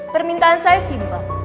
permintaan saya simpel